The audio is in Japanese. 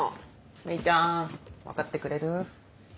芽衣ちゃん分かってくれる？